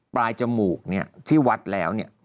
จมูกเนี่ยที่วัดแล้วเนี่ย